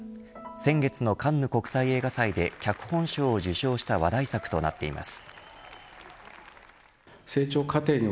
先月のカンヌ国際映画祭で脚本賞を受賞した話題作となっています。